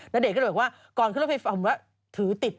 แล้วเด็กก็เลยบอกว่าก่อนขึ้นรถไฟฟ้าผมว่าถือติด